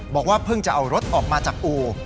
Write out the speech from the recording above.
บอกว่าเพิ่งจะเอารถออกมาจากอู่